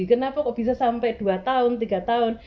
kenapa kok bisa sampai dua tahun tiga tahun